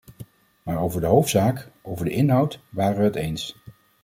Maar over de hoofdzaak, over de inhoud, waren we het eens.